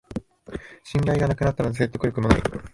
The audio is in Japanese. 信頼がなくなったので説得力もない